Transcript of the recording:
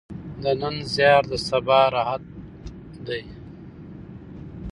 د نن زیار د سبا راحت ده.